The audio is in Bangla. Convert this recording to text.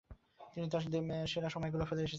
তিনি তার সেরা সময়গুলো ফেলে এসেছেন।